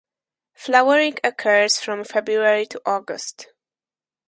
Flowering occurs from February to August.